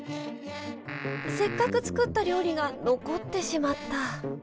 せっかく作った料理が残ってしまった。